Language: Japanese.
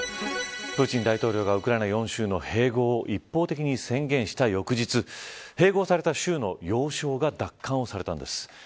プーチン大統領がウクライナ４州の併合を一方的に宣言した翌日併合された州の要衝が奪還されたんです。